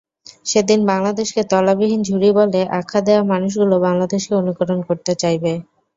সেদিন বাংলাদেশকে তলাবিহীন ঝুড়ি বলে আখ্যা দেয়া মানুষগুলো বাংলাদেশকে অনুকরণ করতে চাইবে।